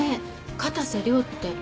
片瀬涼って。